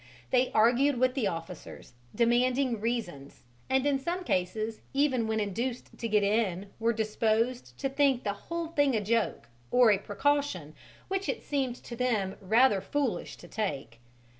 They argued with the officers, demanding reasons, and in some cases even when induced to get in were disposed to think the whole thing a joke, or a precaution which it seemed to them rather foolish to take.